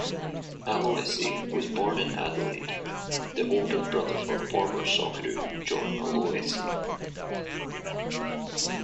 Aloisi was born in Adelaide, the older brother of former Socceroo John Aloisi.